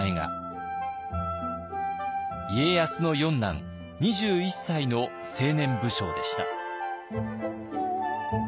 家康の四男２１歳の青年武将でした。